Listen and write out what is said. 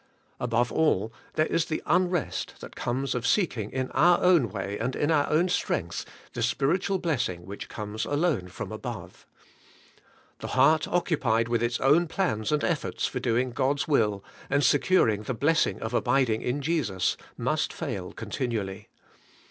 Above all, there is the unrest that comes of seeking in our own way and in our own strength the spiritual blessing which comes alone from above. Tlie heart occupied with its oion plans and efforts for doing God^s will, and seeding the Messing of abiding in Jesus, must fail continually.